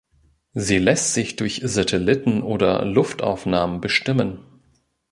Sie lässt sich durch Satelliten- oder Luftaufnahmen bestimmen.